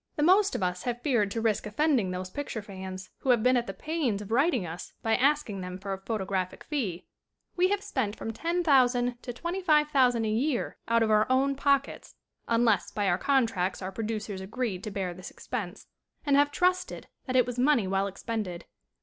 The most of us have feared to risk offending those picture fans who have been at the pains of writing us by asking them for a photo graphic fee. We have spent from $10,000 to $25,000 a year out of our own pockets unless by our contracts our producers agreed to bear this expense and have trusted that it was money well expended.